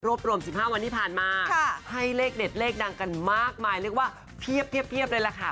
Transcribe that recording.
รวมรวม๑๕วันที่ผ่านมาให้เลขเด็ดเลขดังกันมากมายเรียกว่าเพียบเลยล่ะค่ะ